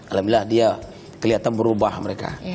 alhamdulillah dia kelihatan berubah mereka